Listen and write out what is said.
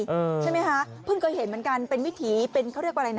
ใช่ไหมคะเพิ่งเคยเห็นเหมือนกันเป็นวิถีเป็นเขาเรียกว่าอะไรนะ